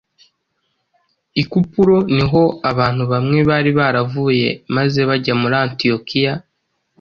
I Kupuro niho abantu bamwe bari baravuye maze bajya muri Antiyokiya,